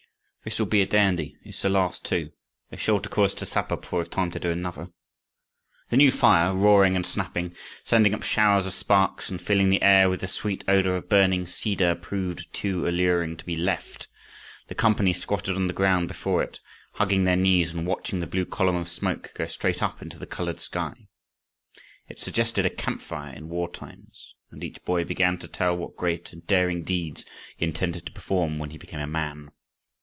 "This'll be a dandy, and it's the last, too. They're sure to call us to supper before we've time to do another." The new fire, roaring and snapping, sending up showers of sparks and filling the air with the sweet odor of burning cedar, proved too alluring to be left. The company squatted on the ground before it, hugging their knees and watching the blue column of smoke go straight up into the colored sky. It suggested a camp fire in war times, and each boy began to tell what great and daring deeds he intended to perform when he became a man.